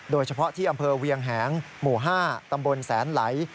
โดยเฉพาะที่อำเภอเวียงแหงหมู่๕ตำบลแสนไหล